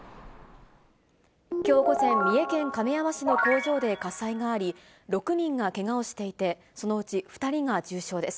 きょう午前、三重県亀山市の工場で火災があり、６人がけがをしていて、そのうち２人が重傷です。